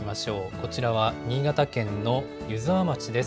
こちらは新潟県の湯沢町です。